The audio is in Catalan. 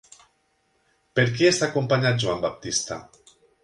Per qui està acompanyat Joan Baptista?